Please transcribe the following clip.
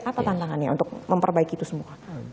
apa tantangannya untuk memperbaiki itu semua